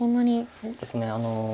そうですね。